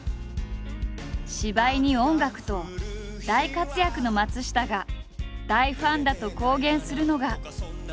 芝居に音楽と大活躍の松下が大ファンだと公言するのが。